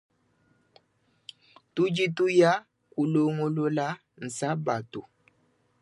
Tudi tuya kulongolola sabatu.